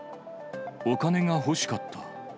お金が欲しかった。